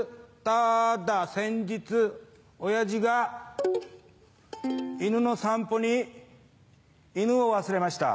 ただ先日親父が犬の散歩に犬を忘れました。